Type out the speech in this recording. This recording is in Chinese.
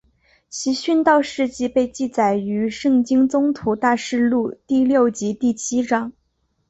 其殉道事迹被记载于圣经宗徒大事录第六及第七章。